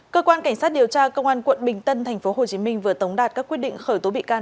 cơ quan cảnh sát điều tra công an quận bình tân tp hcm vừa tống đạt các quyết định khởi tố bị can